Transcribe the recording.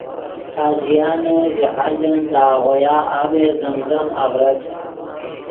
حاجیان ژے حاجن دے آغویا آب زم زم آڤرت